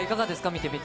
見てみて。